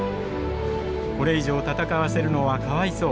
「これ以上戦わせるのはかわいそう。